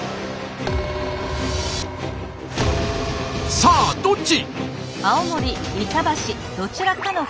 さあどっち？